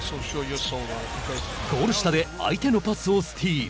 ゴール下で相手のパスをスティール。